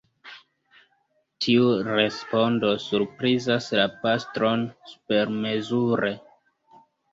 Tiu respondo surprizas la pastron supermezure.